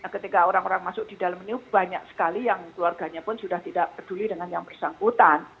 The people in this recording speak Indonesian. ketika orang orang masuk di dalam ini banyak sekali yang keluarganya pun sudah tidak peduli dengan yang bersangkutan